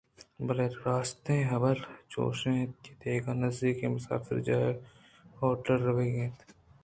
بلئے راستیں حبر چوش اَت کہ آدگہ نزّیکیں مسافر جاہ ئے ءِ ہوٹل ءَ روگ ءَ اَت